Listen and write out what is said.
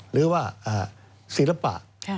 หรือว่าศิลปะ